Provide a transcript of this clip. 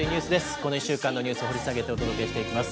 この１週間のニュースを掘り下げてお届けしていきます。